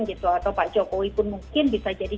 gitu atau pak jokowi pun mungkin bisa jadi